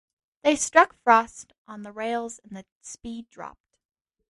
They struck frost on the rails and the speed dropped.